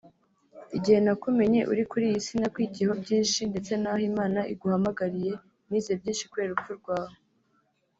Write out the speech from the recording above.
Igihe nakumenye uri kuri iyi si nakwigiyeho byinshi ndetse n’aho Imana iguhamagariye nize byinshi kubera urupfu rwawe”